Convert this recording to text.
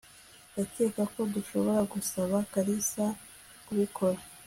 ndakeka ko dushobora gusaba kalisa kubikora